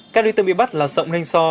các đối tượng bị bắt là sọng nhanh so